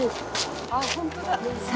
ああ本当だ。